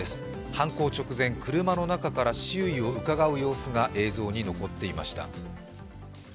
犯行直前、車の中から周囲をうかがう様子が映像に残っていました。